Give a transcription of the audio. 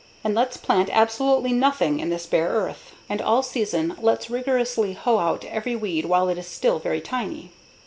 And let's plant absolutely nothing in this bare earth. And all season let's rigorously hoe out every weed while it is still very tiny.